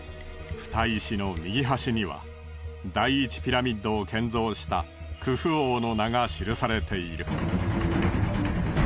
ふた石の右端には第１ピラミッドを建造したクフ王の名が記されている。